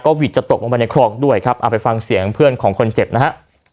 วิทย์จะตกลงไปในคลองด้วยครับเอาไปฟังเสียงเพื่อนของคนเจ็บนะฮะ